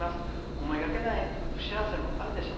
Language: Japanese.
思いがけない不幸せもあるでしょう。